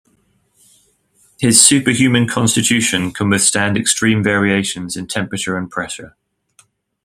His superhuman constitution can withstand extreme variations in temperature and pressure.